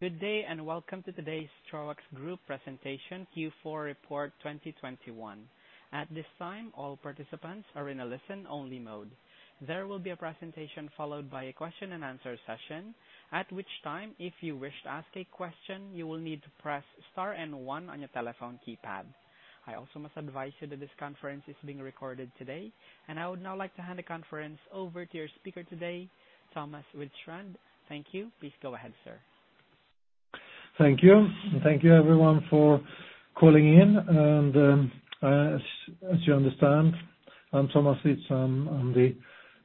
Good day and welcome to today's Troax Group presentation, Q4 report 2021. At this time, all participants are in a listen-only mode. There will be a presentation followed by a question and answer session. At which time, if you wish to ask a question, you will need to press Star and one on your telephone keypad. I also must advise you that this conference is being recorded today. I would now like to hand the conference over to your speaker today, Thomas Widstrand. Thank you. Please go ahead, sir. Thank you. Thank you everyone for calling in. As you understand, I'm Thomas Widstrand. I'm the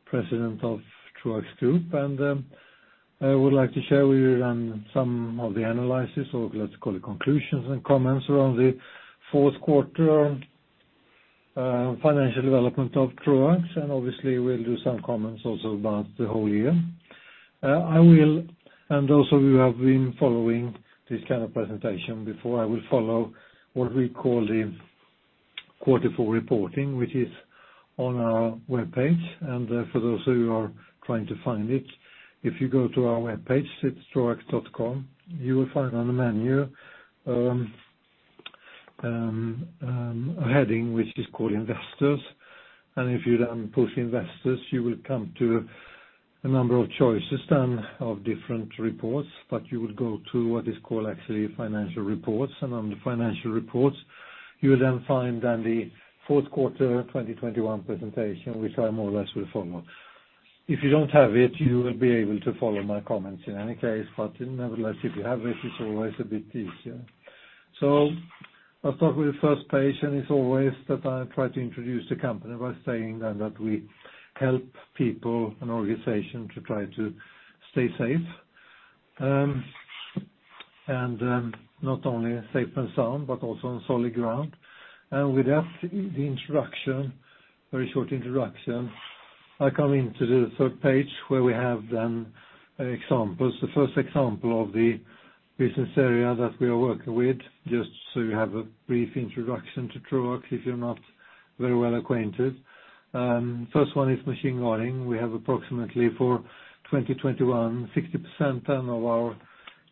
President of Troax Group. I would like to share with you then some of the analysis, or let's call it conclusions and comments around the fourth quarter financial development of Troax. Obviously we'll do some comments also about the whole year. Those of you who have been following this kind of presentation before, I will follow what we call the quarter four reporting, which is on our webpage. For those who are trying to find it, if you go to our webpage, it's troax.com, you will find on the menu a heading which is called Investors. If you then push Investors, you will come to a number of choices then of different reports, but you will go to what is called actually Financial Reports. On the Financial Reports, you will then find the fourth quarter 2021 presentation, which I more or less will follow. If you don't have it, you will be able to follow my comments in any case, but nevertheless, if you have it's always a bit easier. I'll start with the first page and it's always that I try to introduce the company by saying then that we help people and organization to try to stay safe. Not only safe and sound, but also on solid ground. With that, the introduction, very short introduction, I come into the third page where we have then examples. The first example of the business area that we are working with, just so you have a brief introduction to Troax if you're not very well acquainted. First one is Machine Guarding. We have approximately for 2021, 60% of our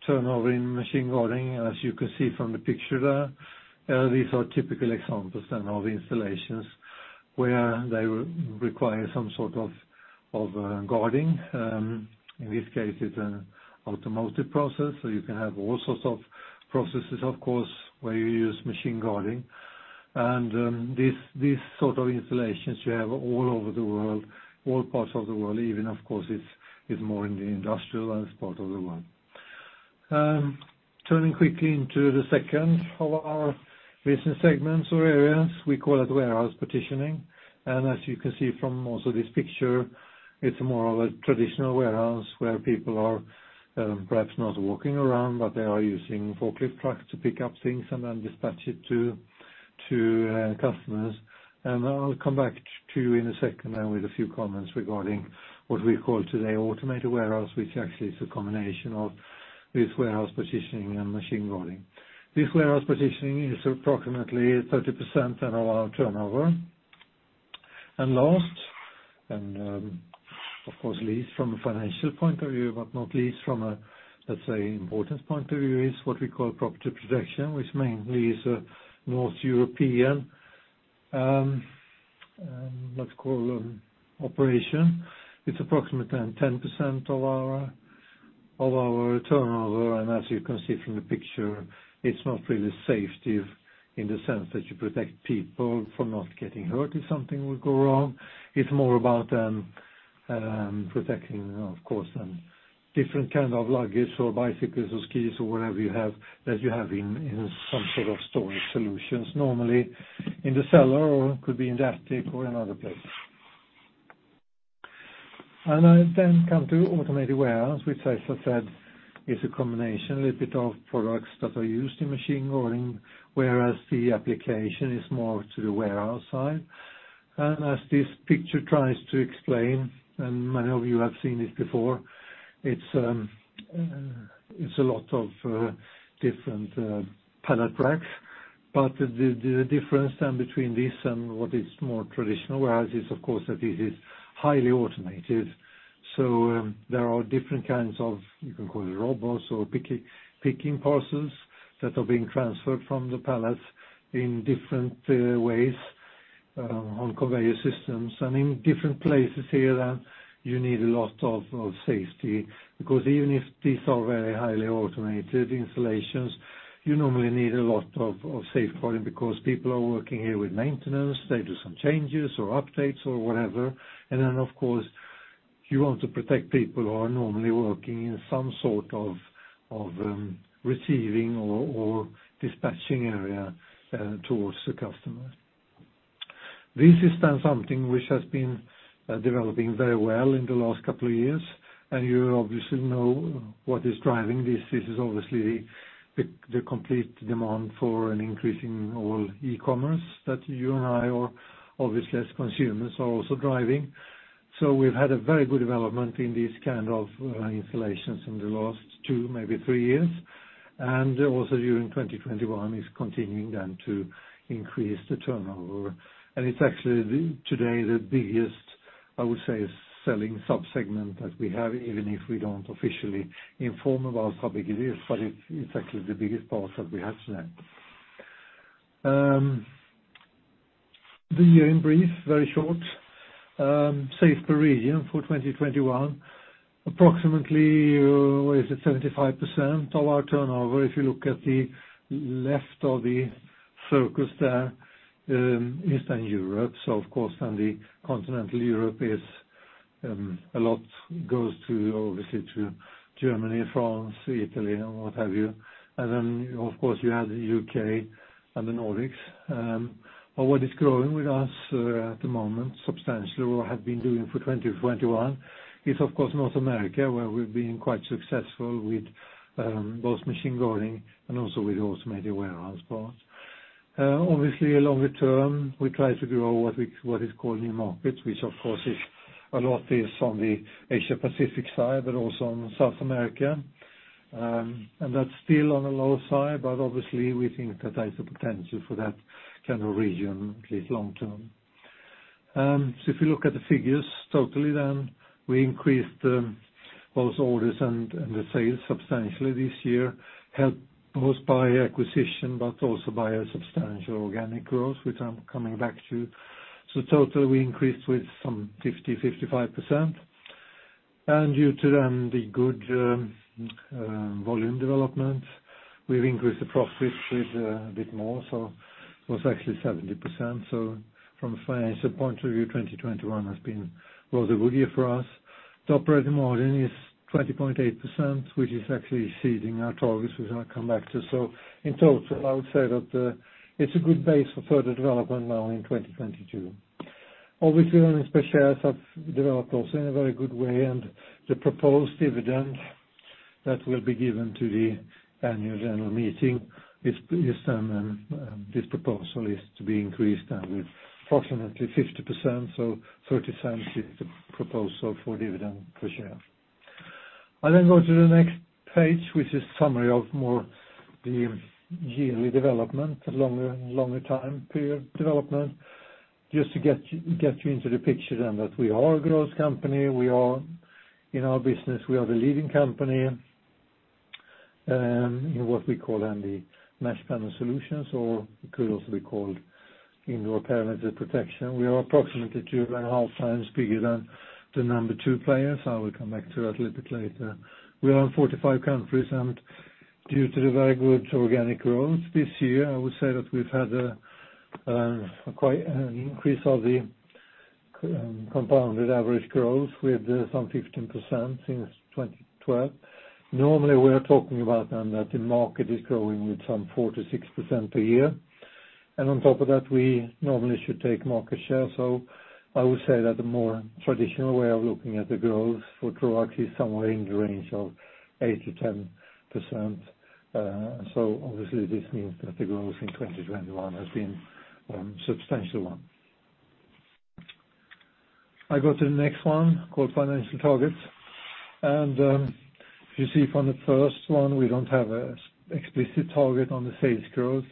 turnover in Machine Guarding. As you can see from the picture there, these are typical examples of installations where they require some sort of guarding. In this case it's an automotive process, so you can have all sorts of processes of course where you use Machine Guarding. These sort of installations you have all over the world, all parts of the world even of course it's more in the industrialized part of the world. Turning quickly into the second of our business segments or areas, we call it Warehouse Partitioning. As you can see from also this picture, it's more of a traditional warehouse where people are perhaps not walking around, but they are using forklift trucks to pick up things and then dispatch it to customers. I'll come back to you in a second then with a few comments regarding what we call today Automated Warehouse, which actually is a combination of this Warehouse Partitioning and Machine Guarding. This Warehouse Partitioning is approximately 30% then of our turnover. Last, of course least from a financial point of view, but not least from a, let's say importance point of view, is what we call Property Protection, which mainly is a North European, let's call, operation. It's approximately 10% of our turnover. As you can see from the picture, it's not really safety in the sense that you protect people from not getting hurt if something would go wrong. It's more about protecting, of course, different kind of luggage or bicycles or skis or whatever you have that you have in some sort of storage solutions. Normally in the cellar or could be in the attic or another place. I then come to Automated Warehouse, which as I said is a combination a little bit of products that are used in Machine Guarding, whereas the application is more to the warehouse side. As this picture tries to explain, and many of you have seen it before, it's a lot of different pallet racks. The difference then between this and what is more traditional warehouse is of course that it is highly automated. There are different kinds of, you can call it robots or picking parcels that are being transferred from the pallets in different ways on conveyor systems. In different places here you need a lot of safety because even if these are very highly automated installations, you normally need a lot of safeguarding because people are working here with maintenance, they do some changes or updates or whatever. Of course you want to protect people who are normally working in some sort of receiving or dispatching area towards the customer. This is something which has been developing very well in the last couple of years. You obviously know what is driving this. This is obviously the complete demand for an increase in all e-commerce that you and I are obviously as consumers are also driving. We've had a very good development in these kind of installations in the last two, maybe three years. Also during 2021 it's continuing then to increase the turnover. It's actually today the biggest, I would say, selling sub-segment that we have, even if we don't officially inform about it publicly, but it's actually the biggest part that we sell. The year in brief, very short. Safety perimeter for 2021, approximately, is at 75% of our turnover. If you look at the left of the focus there, Eastern Europe. Of course, in continental Europe a lot goes to obviously to Germany, France, Italy and what have you. Of course, you have the U.K. and the Nordics. What is growing with us at the moment, substantially, or have been doing for 2021 is of course, North America, where we've been quite successful with both Machine Guarding and also with Automated Warehouse parts. Obviously longer term, we try to grow what is called new markets, which of course is a lot on the Asia Pacific side, but also on South America. That's still on the lower side. Obviously we think that there's a potential for that kind of region at least long term. If you look at the figures totally, then we increased both orders and the sales substantially this year, helped both by acquisition, but also by a substantial organic growth, which I'm coming back to. Totally, we increased with some 50, 55%. Due to the good volume development, we've increased the profit with a bit more, it was actually 70%. From a financial point of view, 2021 has been a rather good year for us. The operating margin is 20.8%, which is actually exceeding our targets, which I'll come back to. In total, I would say that it's a good base for further development now in 2022. Obviously, earnings per shares have developed also in a very good way, and the proposed dividend that will be given to the annual general meeting this proposal is to be increased with approximately 50%. 0.30 is the proposal for dividend per share. I go to the next page, which is a summary of the yearly development, longer time period development, just to get you into the picture that we are a growth company. We are in our business, we are the leading company in what we call the mesh panel solutions or it could also be called indoor perimeter protection. We are approximately 2.5 times bigger than the number two players. I will come back to that little bit later. We are in 45 countries, and due to the very good organic growth this year, I would say that we've had quite an increase of the compounded average growth with some 15% since 2012. Normally, we are talking about that the market is growing with some 4%-6% a year. On top of that, we normally should take market share. I would say that the more traditional way of looking at the growth for Troax is somewhere in the range of 8%-10%. This means that the growth in 2021 has been substantial one. I go to the next one called financial targets. If you see from the first one, we don't have an explicit target on the sales growth.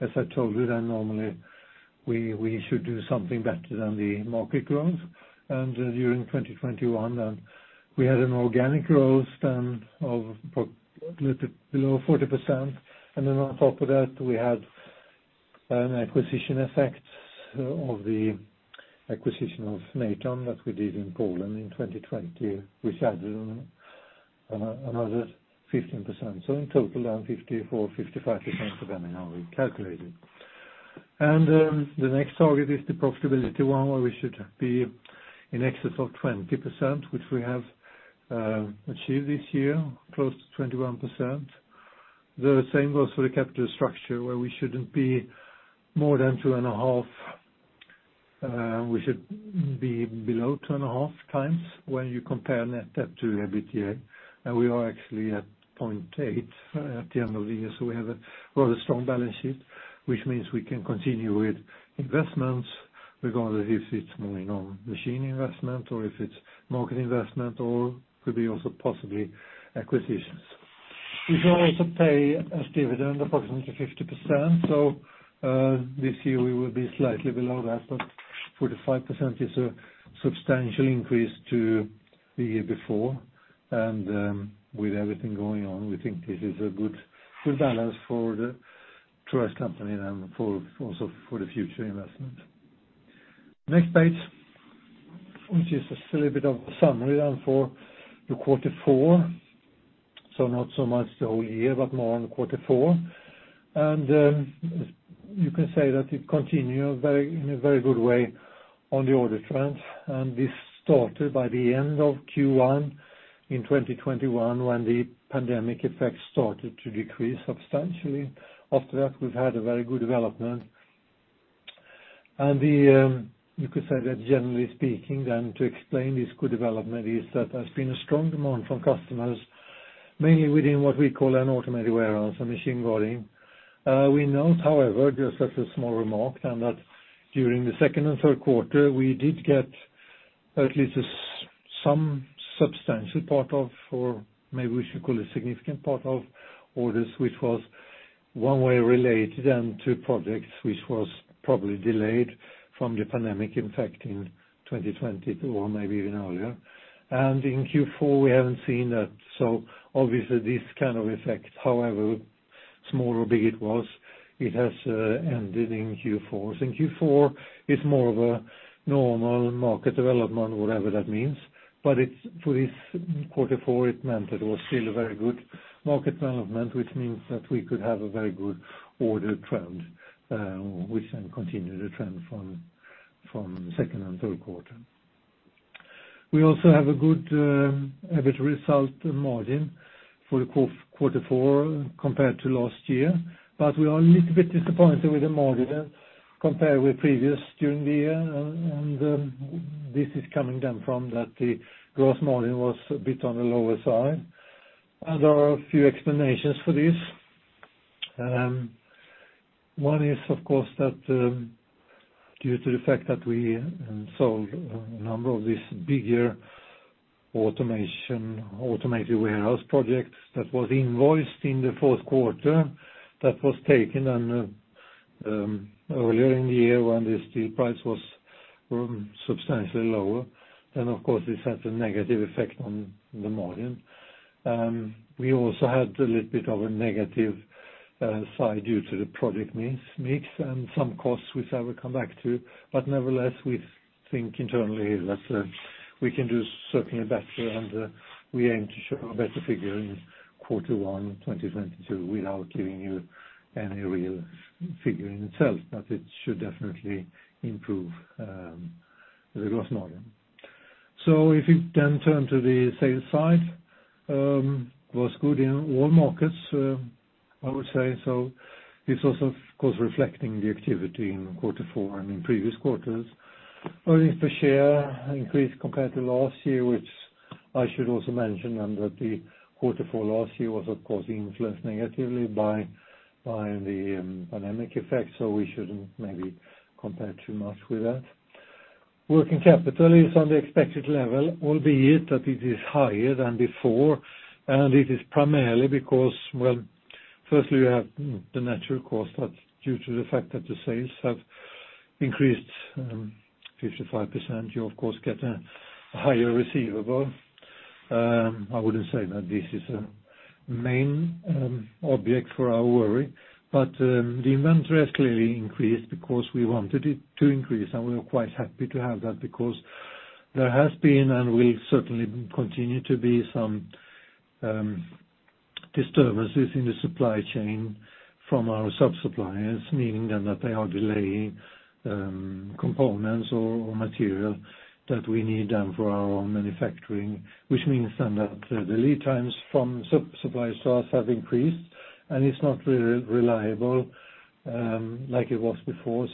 As I told you, then normally we should do something better than the market growth. During 2021 then, we had an organic growth then of below 40%. Then on top of that, we had an acquisition effect of the acquisition of Natom that we did in Poland in 2020, which added another 15%. In total 54%-55% of them are recalculated. The next target is the profitability one, where we should be in excess of 20%, which we have achieved this year, close to 21%. The same goes for the capital structure, where we shouldn't be more than 2.5, we should be below 2.5 times when you compare net debt to EBITDA. We are actually at 0.8 at the end of the year. We have a rather strong balance sheet, which means we can continue with investments, regardless if it's moving on machine investment or if it's market investment, or could be also possibly acquisitions. We should also pay as dividend approximately 50%. This year we will be slightly below that. Forty-five percent is a substantial increase to the year before. With everything going on, we think this is a good balance for the Troax company then for also for the future investment. Next page, which is still a bit of summary then for quarter four. Not so much the whole year, but more on quarter four. You can say that it continues in a very good way on the order trends. This started by the end of Q1 in 2021, when the pandemic effect started to decrease substantially. After that, we've had a very good development. You could say that generally speaking then to explain this good development is that there's been a strong demand from customers, mainly within what we call Automated Warehouse and Machine Guarding. We note, however, just as a small remark, that during the second and third quarter, we did get at least some substantial part of, or maybe we should call it significant part of orders, which was one way related then to projects which was probably delayed from the pandemic impact in 2020 or maybe even earlier. In Q4, we haven't seen that. Obviously this kind of effect, however small or big it was, it has ended in Q4. In Q4 it's more of a normal market development, whatever that means. It's for this quarter four, it meant that it was still a very good market development, which means that we could have a very good order trend, which then continued a trend from second and third quarter. We also have a good EBITDA result margin for quarter four compared to last year, but we are a little bit disappointed with the margin compared with previous during the year. This is coming down to the fact that the gross margin was a bit on the lower side, and there are a few explanations for this. One is of course that due to the fact that we sold a number of these bigger automated warehouse projects that was invoiced in the fourth quarter that was taken on earlier in the year when the steel price was substantially lower. Of course, this has a negative effect on the margin. We also had a little bit of a negative side due to the product mix and some costs which I will come back to. Nevertheless, we think internally that we can do certainly better and we aim to show a better figure in quarter one 2022 without giving you any real figure in itself. It should definitely improve the gross margin. If you then turn to the sales side, it was good in all markets, I would say. It's also of course reflecting the activity in quarter four and in previous quarters. Earnings per share increased compared to last year, which I should also mention under the quarter four last year was of course influenced negatively by the pandemic effect. We shouldn't maybe compare too much with that. Working capital is on the expected level, albeit that it is higher than before, and it is primarily because, well, firstly you have the natural cost that's due to the fact that the sales have increased 55%. You of course get a higher receivable. I wouldn't say that this is a main object for our worry, but the inventory has clearly increased because we wanted it to increase, and we are quite happy to have that because there has been, and will certainly continue to be some disturbances in the supply chain from our sub-suppliers, meaning then that they are delaying components or material that we need for our own manufacturing. Which means then that the lead times from sub-suppliers to us have increased, and it's not reliable like it was before.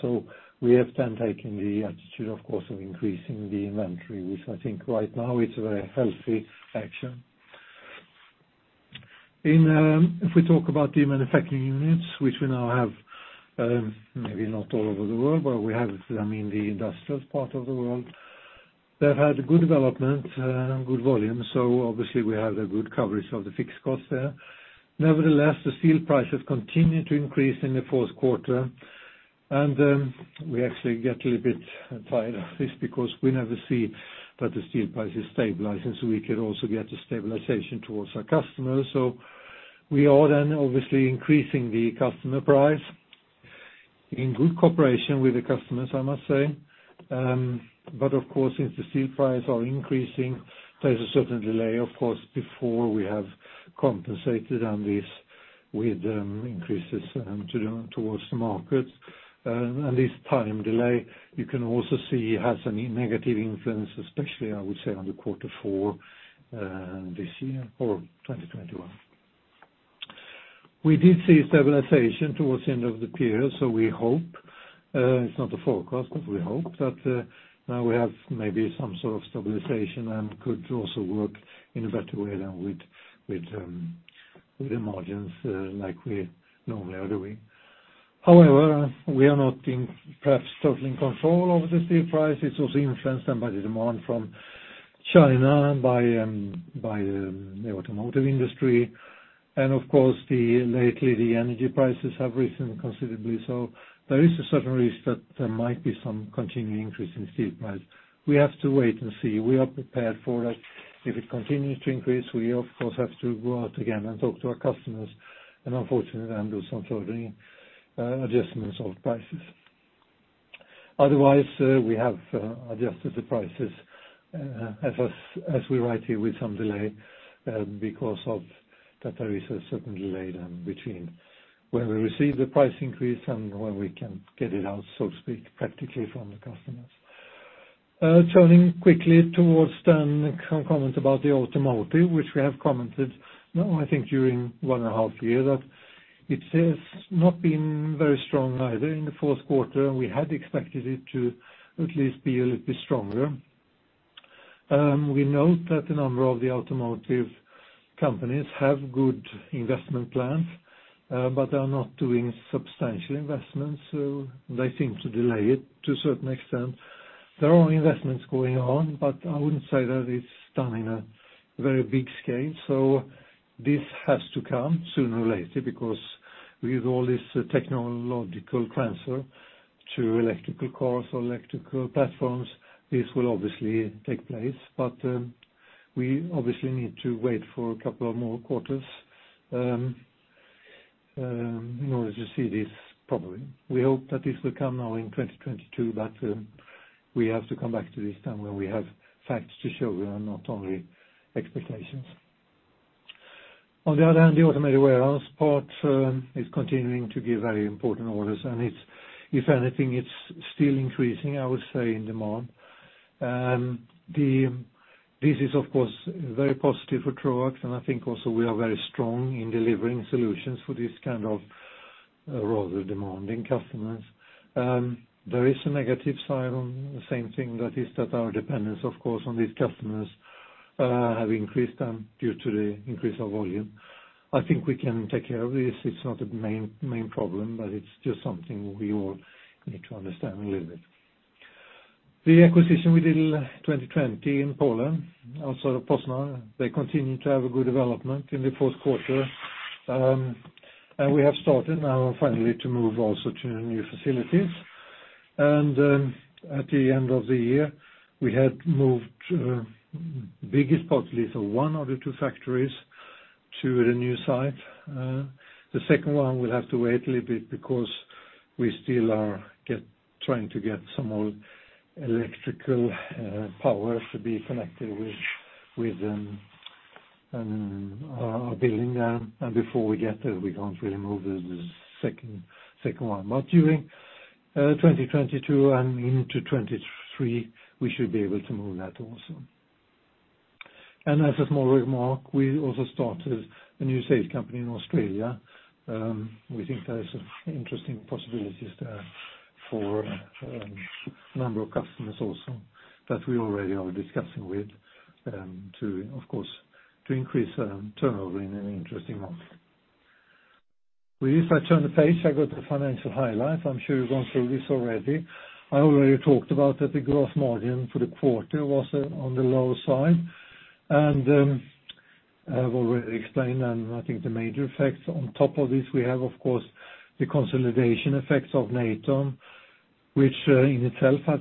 We have then taken the attitude of course of increasing the inventory, which I think right now it's a very healthy action. In, if we talk about the manufacturing units, which we now have, maybe not all over the world, but we have, I mean, the industrial part of the world, they've had good development, good volume, so obviously we have a good coverage of the fixed costs there. Nevertheless, the steel prices continued to increase in the fourth quarter and, we actually get a little bit tired of this because we never see that the steel price is stabilizing, so we can also get a stabilization towards our customers. We are then obviously increasing the customer price in good cooperation with the customers, I must say. Of course, since the steel price are increasing, there's a certain delay of course before we have compensated on this with increases towards the markets. This time delay, you can also see has a negative influence, especially I would say on the quarter four this year or 2021. We did see stabilization towards the end of the period. We hope it's not a forecast, but we hope that now we have maybe some sort of stabilization and could also work in a better way than with the margins like we normally are doing. However, we are not in perhaps total control over the steel price. It's also influenced by the demand from China by the automotive industry and of course lately the energy prices have risen considerably. There is a certain risk that there might be some continuing increase in steel price. We have to wait and see. We are prepared for that. If it continues to increase, we of course have to go out again and talk to our customers and unfortunately do some sort of adjustments of prices. Otherwise, we have adjusted the prices as we write here with some delay because of that there is a certain delay between when we receive the price increase and when we can get it out, so to speak, practically from the customers. Turning quickly towards then some comments about the automotive, which we have commented now I think during one and a half year, that it has not been very strong either in the fourth quarter, and we had expected it to at least be a little bit stronger. We note that a number of the automotive companies have good investment plans, but they are not doing substantial investments, so they seem to delay it to a certain extent. There are investments going on, but I wouldn't say that it's done in a very big scale, so this has to come sooner or later because with all this technological transfer to electric cars or electric platforms, this will obviously take place. We obviously need to wait for a couple of more quarters in order to see this probably. We hope that this will come now in 2022, but we have to come back to this time when we have facts to show and not only expectations. On the other hand, the automated warehouse part is continuing to give very important orders, and it's if anything, it's still increasing, I would say, in demand. This is, of course, very positive for Troax, and I think also we are very strong in delivering solutions for these kind of rather demanding customers. There is a negative side on the same thing that is that our dependence, of course, on these customers have increased due to the increase of volume. I think we can take care of this. It's not a main problem, but it's just something we all need to understand a little bit. The acquisition we did in 2020 in Poland, also Poznań, they continue to have a good development in the fourth quarter, and we have started now finally to move also to new facilities. At the end of the year, we had moved biggest possibly so one of the two factories to the new site. The second one will have to wait a little bit because we still are trying to get some more electrical power to be connected with our building there. Before we get there, we can't really move the second one. During 2022 and into 2023, we should be able to move that also. As a small remark, we also started a new sales company in Australia. We think there is interesting possibilities there for number of customers also that we already are discussing with, to, of course, to increase turnover in an interesting market. Well, if I turn the page, I go to the Financial Highlights. I'm sure you've gone through this already. I already talked about that the gross margin for the quarter was on the lower side. I've already explained, and I think the major effects on top of this, we have, of course, the consolidation effects of Natom, which in itself has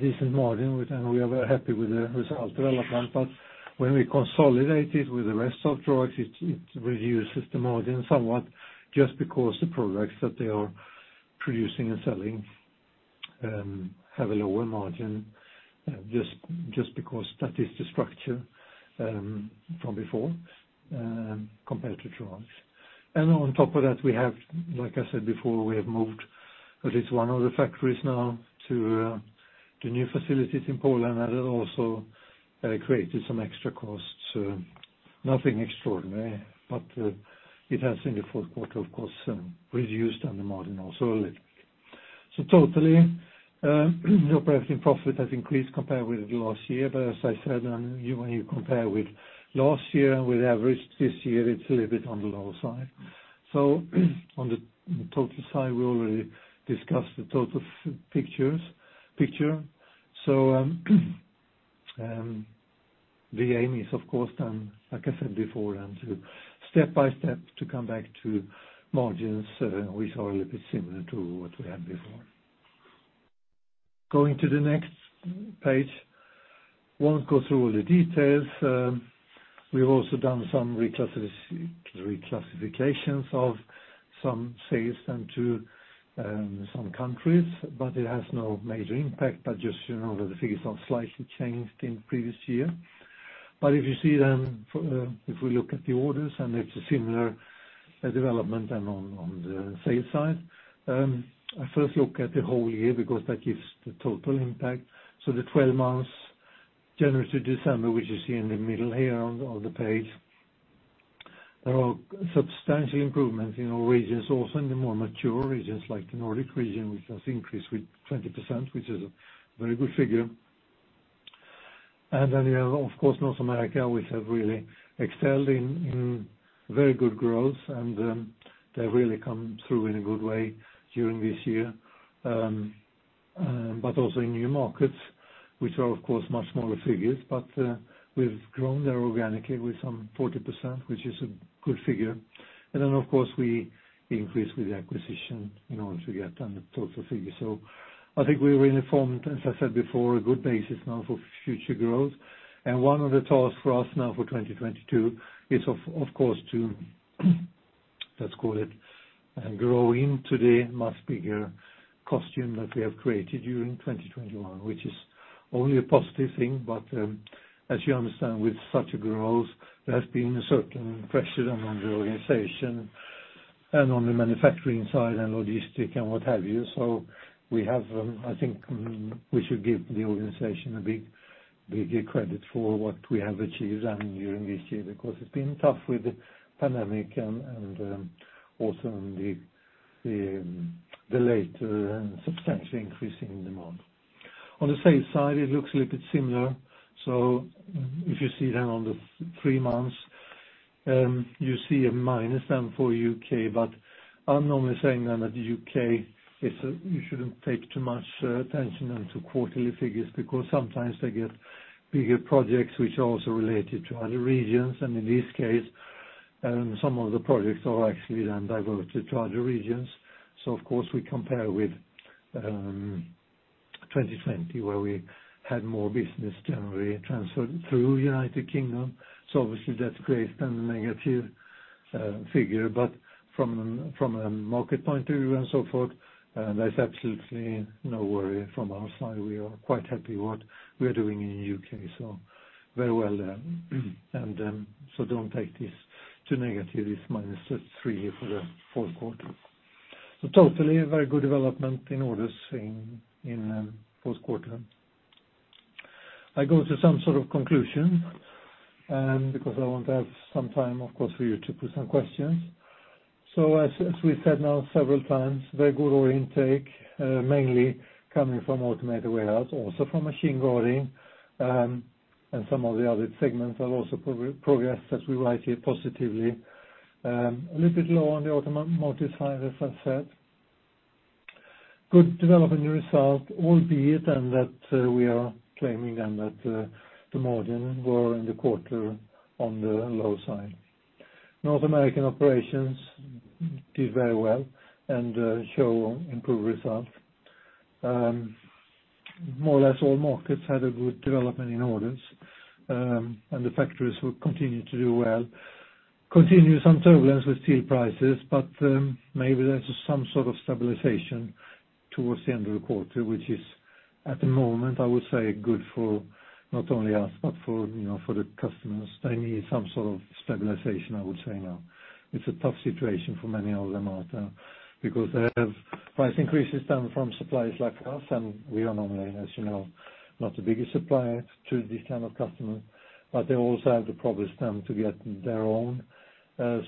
decent margins, and we are very happy with the result development. When we consolidate it with the rest of Troax, it reduces the margin somewhat just because the products that they are producing and selling have a lower margin just because that is the structure from before compared to Troax. On top of that, like I said before, we have moved at least one of the factories now to new facilities in Poland, and that also created some extra costs. Nothing extraordinary, but it has in the fourth quarter, of course, reduced the margin also a little bit. Totally, the operating profit has increased compared with last year, but as I said, when you compare with last year and with average this year, it's a little bit on the lower side. On the total side, we already discussed the total picture. The aim is of course then, like I said before, and to step by step to come back to margins, which are a little bit similar to what we had before. Going to the next page, won't go through all the details. We've also done some reclassifications of some sales to some countries, but it has no major impact. Just so you know that the figures are slightly changed in previous year. If we look at the orders, it's a similar development to on the sales side. I first look at the whole year because that gives the total impact. The 12 months, January to December, which you see in the middle here on the page, there are substantial improvements in our regions, also in the more mature regions like the Nordic region, which has increased with 20%, which is a very good figure. Then you have, of course, North America, which have really excelled in very good growth and, they've really come through in a good way during this year. Also in new markets, which are of course much smaller figures, but, we've grown there organically with some 40%, which is a good figure. Then of course, we increased with the acquisition in order to get to the total figure. I think we really formed, as I said before, a good basis now for future growth. One of the tasks for us now for 2022 is, of course, to, let's call it, grow into the much bigger customer base that we have created during 2021, which is only a positive thing. As you understand, with such a growth, there has been a certain pressure among the organization and on the manufacturing side and logistics and what have you. We have, I think we should give the organization a big credit for what we have achieved during this year, because it's been tough with the pandemic and also the substantially increasing demand. On the sales side, it looks a little bit similar. If you see that on the three months, you see a minus for U.K., but I'm normally saying that you shouldn't take too much attention to quarterly figures because sometimes they get bigger projects which are also related to other regions, and in this case, some of the projects are actually then diverted to other regions. Of course, we compare with 2020 where we had more business generally transferred through United Kingdom. Obviously that creates a negative figure. But from a market point of view and so forth, there's absolutely no worry from our side. We are quite happy with what we are doing in U.K., so very well, and don't take this too negative, this -3% for the fourth quarter. Totally a very good development in orders in fourth quarter. I go to some sort of conclusion because I want to have some time, of course, for you to put some questions. As we said now several times, very good order intake mainly coming from Automated Warehouse, also from Machine Guarding, and some of the other segments are also progressing, as we write here, positively. A little bit low on the automotive side, as I said. Good development results, albeit we can claim that the margins were in the quarter on the low side. North American operations did very well and show improved results. More or less all markets had a good development in orders, and the factories will continue to do well. Continued some turbulence with steel prices, but maybe there's some sort of stabilization towards the end of the quarter, which is at the moment, I would say good for not only us, but for, you know, for the customers. They need some sort of stabilization, I would say now. It's a tough situation for many of them out there because they have price increases coming from suppliers like us, and we are normally, as you know, not the biggest supplier to this kind of customer, but they also have the problems then to get their own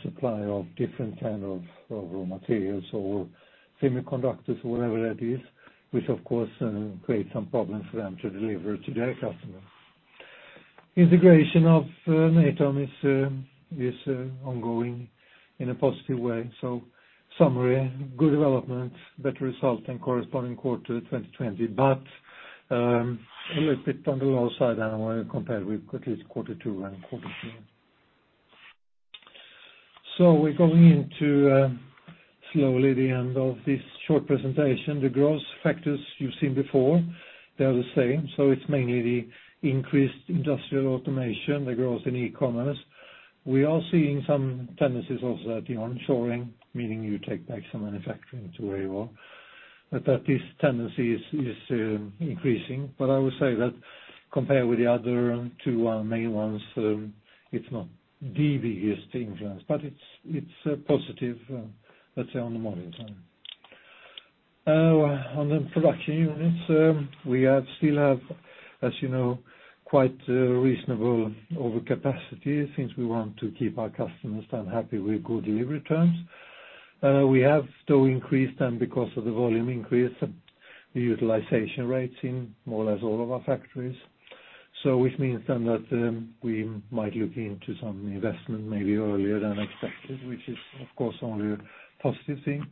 supply of different kind of raw materials or semiconductors or whatever that is, which of course then creates some problems for them to deliver to their customers. Integration of Natom is ongoing in a positive way. Summary, good development, better result than corresponding quarter 2020, but a little bit on the lower side than when compared with at least quarter two and quarter three. We're going into slowly the end of this short presentation. The growth factors you've seen before, they are the same. It's mainly the increased industrial automation, the growth in e-commerce. We are seeing some tendencies also that the on-shoring, meaning you take back some manufacturing to where you are, that this tendency is increasing. I would say that compared with the other two main ones, it's not the biggest influence, but it's positive, let's say, on the margin side. On the production units, we still have, as you know, quite reasonable overcapacity since we want to keep our customers then happy with good delivery terms. We have still increased them because of the volume increase, the utilization rates in more or less all of our factories. Which means then that we might look into some investment maybe earlier than expected, which is of course only a positive thing.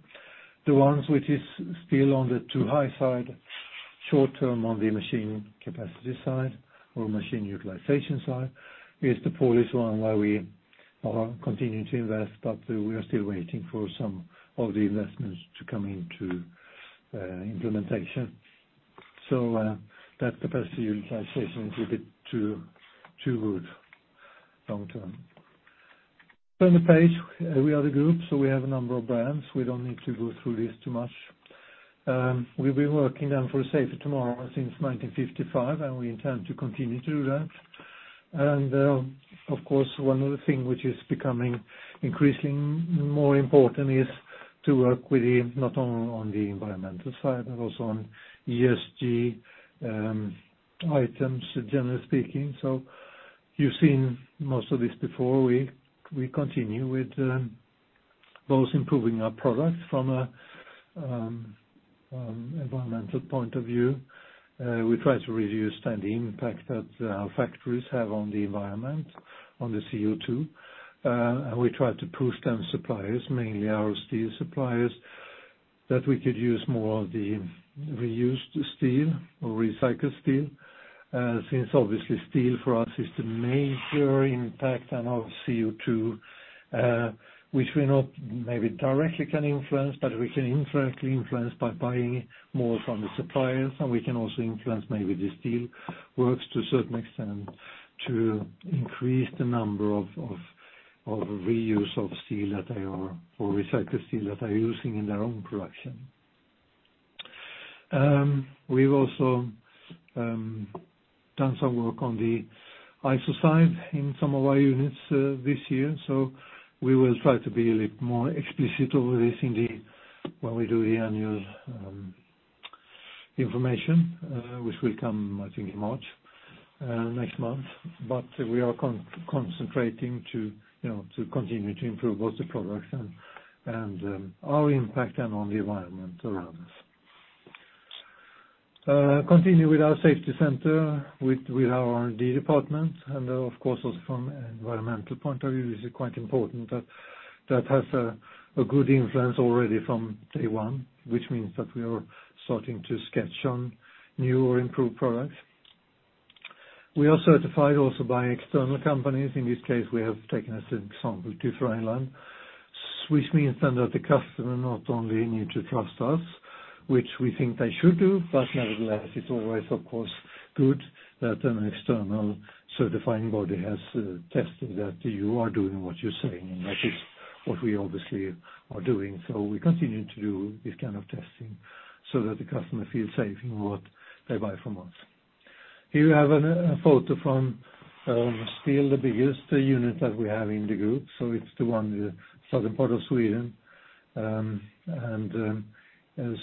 The ones which is still on the too high side, short term on the machine capacity side or machine utilization side is the Polish one, where we are continuing to invest, but we are still waiting for some of the investments to come into implementation. That capacity utilization is a bit too good long term. Turn the page. We are the group, so we have a number of brands. We don't need to go through this too much. We've been working for a safer tomorrow since 1955, and we intend to continue to do that. Of course, one other thing which is becoming increasingly more important is to work with the, not only on the environmental side, but also on ESG items, generally speaking. You've seen most of this before. We continue with both improving our products from an environmental point of view. We try to reduce the impact that our factories have on the environment, on the CO2. We try to push the suppliers, mainly our steel suppliers, that we could use more of the reused steel or recycled steel, since obviously steel for us is the major impact on our CO2, which we cannot maybe directly influence, but we can indirectly influence by buying more from the suppliers. We can also influence maybe the steel works to a certain extent to increase the number of reuse of steel or recycled steel that they are using in their own production. We've also done some work on the ISO cert in some of our units this year. We will try to be a little more explicit over this when we do the annual information, which will come I think in March, next month. We are concentrating to, you know, to continue to improve both the products and our impact and on the environment around us. Continue with our safety center with our R&D department and of course also from environmental point of view, this is quite important that has a good influence already from day one, which means that we are starting to sketch on new or improved products. We are certified also by external companies. In this case, we have taken as an example TÜV Rheinland, which means then that the customer not only need to trust us, which we think they should do, but nevertheless, it's always of course good that an external certifying body has tested that you are doing what you're saying, and that is what we obviously are doing. We continue to do this kind of testing so that the customer feels safe in what they buy from us. Here we have a photo from still the biggest unit that we have in the group, so it's the one in the southern part of Sweden.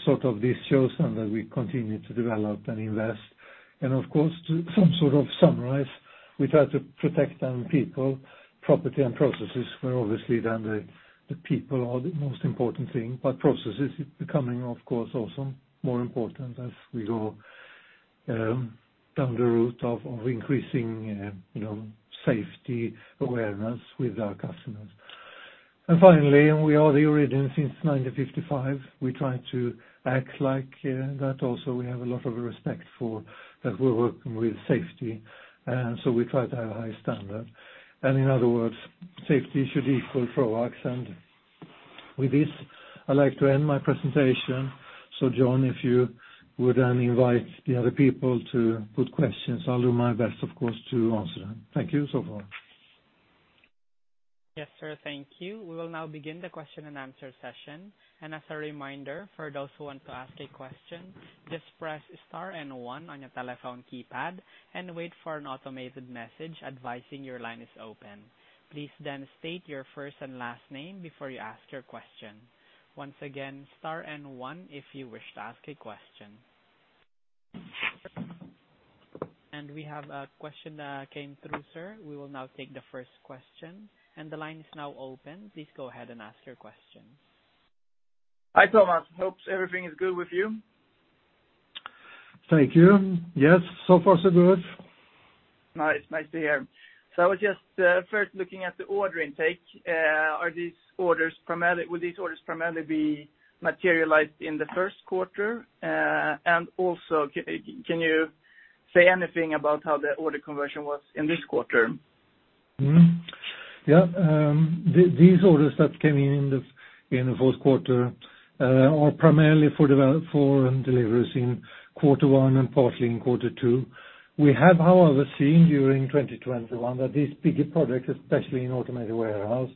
Sort of this shows then that we continue to develop and invest. Of course, to some sort of sunrise, we try to protect our people, property and processes, where obviously then the people are the most important thing. Processes is becoming, of course, also more important as we go down the route of increasing you know, safety awareness with our customers. Finally, we are the original since 1955, we try to act like that also. We have a lot of respect for that we're working with safety, and so we try to have high standard. In other words, safety should equal Troax. With this, I'd like to end my presentation. John, if you would then invite the other people to put questions, I'll do my best, of course, to answer them. Thank you so far. Yes, sir. Thank you. We will now begin the question and answer session. As a reminder, for those who want to ask a question, just press star and one on your telephone keypad and wait for an automated message advising your line is open. Please then state your first and last name before you ask your question. Once again, star and one if you wish to ask a question. We have a question that came through, sir. We will now take the first question, and the line is now open. Please go ahead and ask your question. Hi, Thomas. Hope everything is good with you. Thank you. Yes, so far so good. Nice. Nice to hear. I was just first looking at the order intake. Will these orders primarily be materialized in the first quarter? And also, can you say anything about how the order conversion was in this quarter? These orders that came in in the fourth quarter are primarily for deliveries in quarter one and partly in quarter two. We have, however, seen during 2021 that these bigger projects, especially in Automated Warehouse,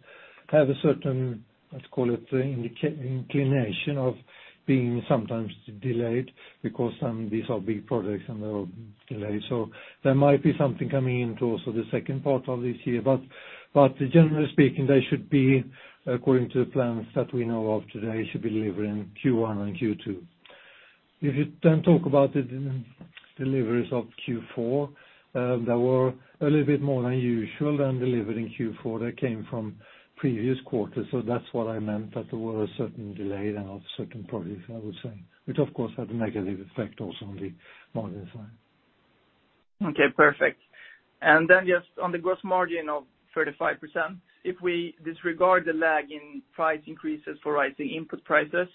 have a certain, let's call it inclination of being sometimes delayed because these are big projects and they're delayed. There might be something coming in to also the second part of this year. Generally speaking, they should be, according to the plans that we know of today, delivered in Q1 and Q2. If you then talk about the deliveries of Q4, they were a little bit more than usual that were delivered in Q4. They came from previous quarters. That's what I meant, that there were a certain delay then of certain projects, I would say, which of course had a negative effect also on the margin side. Okay, perfect. Just on the gross margin of 35%, if we disregard the lag in price increases for rising input prices,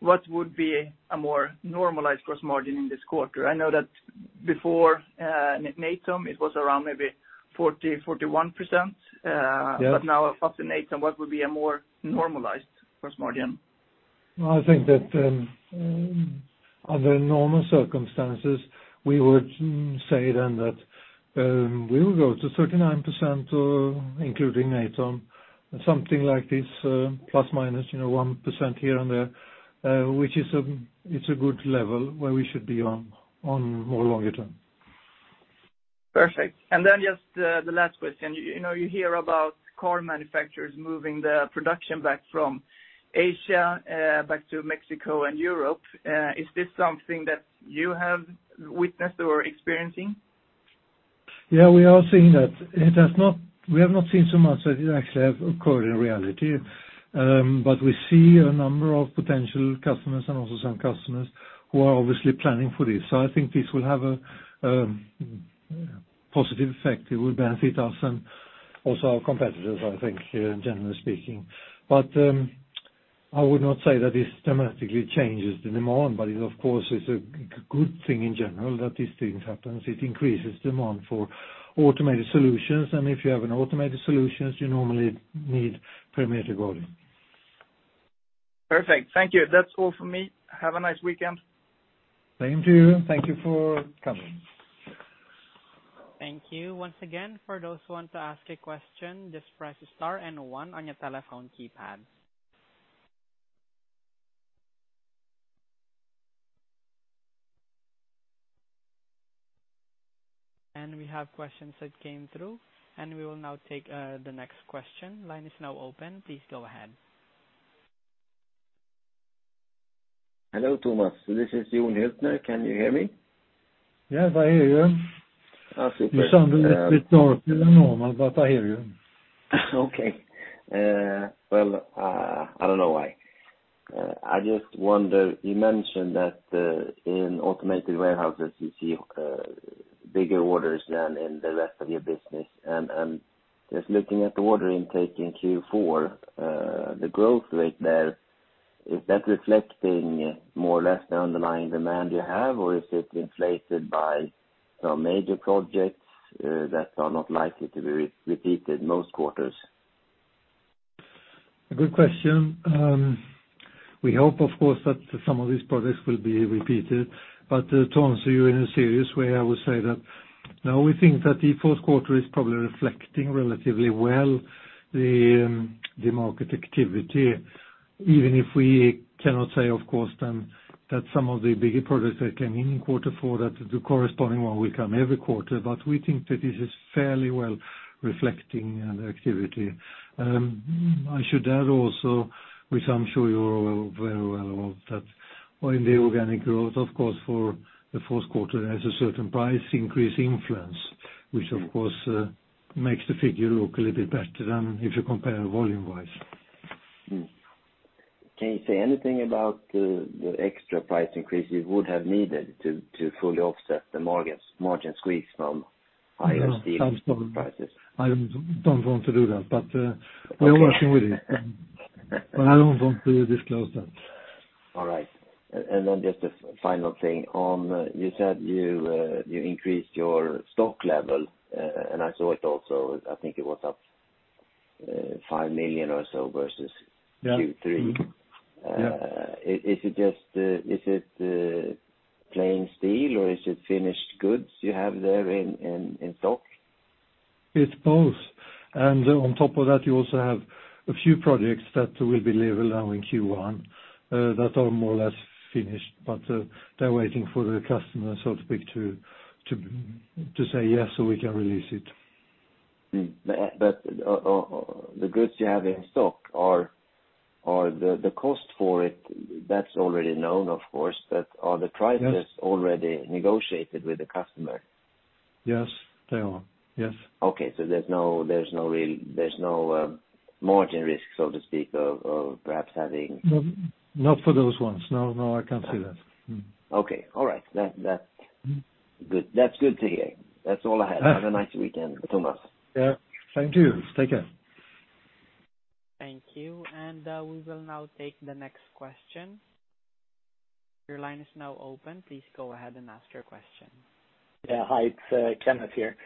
what would be a more normalized gross margin in this quarter? I know that before Natom, it was around maybe 40, 41%. Yeah. now after Natom, what would be a more normalized gross margin? I think that under normal circumstances we would say then that we will go to 39%, including Natom, something like this, ±1% here and there, you know, which is a good level where we should be in the longer term. Perfect. Just the last question. You know, you hear about car manufacturers moving their production back from Asia back to Mexico and Europe. Is this something that you have witnessed or are experiencing? Yeah, we are seeing that. We have not seen so much that it actually have occurred in reality. But we see a number of potential customers and also some customers who are obviously planning for this. I think this will have a positive effect. It will benefit us and also our competitors, I think, generally speaking. I would not say that this dramatically changes the demand, but it of course is a good thing in general that these things happens. It increases demand for automated solutions, and if you have an automated solutions, you normally need perimeter guarding. Perfect. Thank you. That's all for me. Have a nice weekend. Same to you. Thank you for coming. Thank you. Once again, for those who want to ask a question, just press star and one on your telephone keypad. We have questions that came through, and we will now take the next question. Line is now open. Please go ahead. Hello, Thomas. This is Yun Hiltner. Can you hear me? Yes, I hear you. Oh, super. You sound a little bit darker than normal, but I hear you. Okay. Well, I don't know why. I just wonder, you mentioned that in automated warehouses you see bigger orders than in the rest of your business. Just looking at the order intake in Q4, the growth rate there, is that reflecting more or less the underlying demand you have, or is it inflated by some major projects that are not likely to be repeated most quarters? Good question. We hope, of course, that some of these projects will be repeated. To answer you in a serious way, I would say that, no, we think that the fourth quarter is probably reflecting relatively well the market activity. Even if we cannot say, of course, then that some of the bigger projects that came in quarter four, that the corresponding one will come every quarter. We think that this is fairly well reflecting, the activity. I should add also, which I'm sure you're well, very well aware of that. While in the organic growth, of course, for the fourth quarter has a certain price increase influence, which of course, makes the figure look a little bit better than if you compare volume-wise. Can you say anything about the extra price increase you would have needed to fully offset the margin squeeze from higher steel prices? I don't want to do that, but we are working with it. I don't want to disclose that. All right. Just a final thing. You said you increased your stock level and I saw it also. I think it was up 5 million or so versus- Yeah. -Q3. Mm-hmm. Yeah. Is it a plain steel or is it finished goods you have there in stock? It's both. On top of that, you also have a few projects that will be level now in Q1, that are more or less finished, but they're waiting for the customer, so to speak, to say yes, so we can release it. The goods you have in stock are the cost for it that's already known, of course. Are the prices- Yes. already negotiated with the customer? Yes, they are. Yes. There's no real margin risk, so to speak, of perhaps having No, not for those ones. No, no, I can't see that. Okay. All right. That. Mm. Good. That's good to hear. That's all I have. Yeah. Have a nice weekend, Thomas. Yeah. Thank you. Take care. Thank you. We will now take the next question. Your line is now open. Please go ahead and ask your question. Yeah. Hi, it's Kenneth here.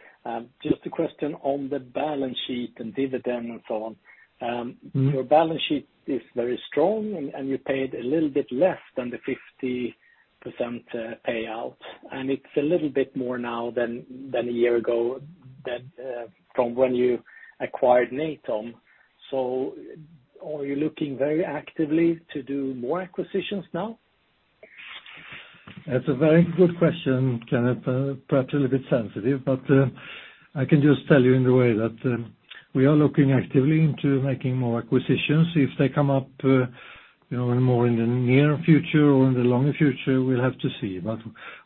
Just a question on the balance sheet and dividend and so on. Mm-hmm. Your balance sheet is very strong and you paid a little bit less than the 50% payout, and it's a little bit more now than a year ago that from when you acquired Natom. Are you looking very actively to do more acquisitions now? That's a very good question, Kenneth. Perhaps a little bit sensitive, but I can just tell you in the way that we are looking actively into making more acquisitions. If they come up, you know, more in the near future or in the longer future, we'll have to see.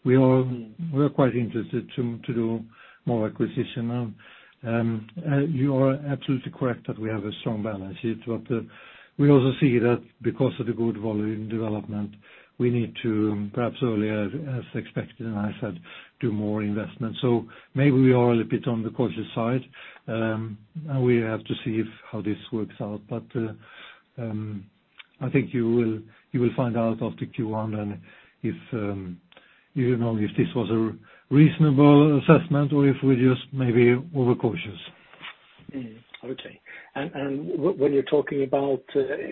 We are quite interested to do more acquisition. You are absolutely correct that we have a strong balance sheet, but we also see that because of the good volume development, we need to perhaps earlier than expected, and as I said, do more investment. Maybe we are a little bit on the cautious side. We have to see how this works out. I think you will find out after Q1, and if you know, if this was a reasonable assessment or if we just maybe were cautious. When you're talking about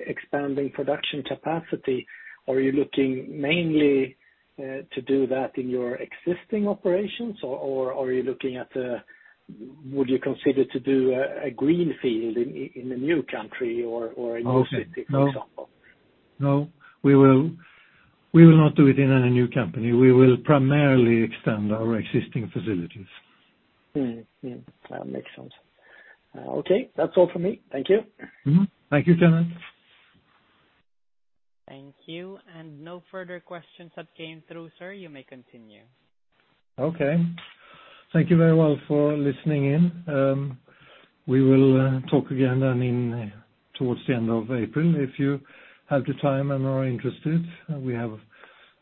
expanding production capacity, are you looking mainly to do that in your existing operations or would you consider to do a greenfield in a new country or a new city, for example? No. We will not do it in a new company. We will primarily extend our existing facilities. That makes sense. Okay. That's all for me. Thank you. Mm-hmm. Thank you, Kenneth. Thank you. No further questions have come through, sir. You may continue. Okay. Thank you very much for listening in. We will talk again then towards the end of April. If you have the time and are interested, I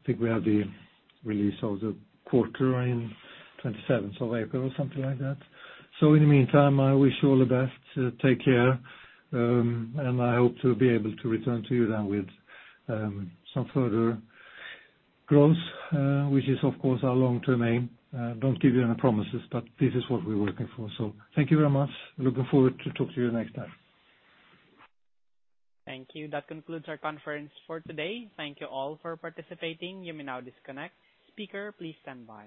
think we have the release of the quarter in 27th of April or something like that. In the meantime, I wish you all the best. Take care, and I hope to be able to return to you then with some further growth, which is of course our long-term aim. Don't give you any promises, but this is what we're working for. Thank you very much. Looking forward to talk to you next time. Thank you. That concludes our conference for today. Thank you all for participating. You may now disconnect. Speaker, please stand by.